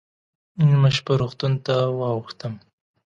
نیمه شپه روغتون ته واوښتم.